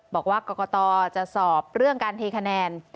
บอกว่ากรกตจะสอบเรื่องการเทคะแนน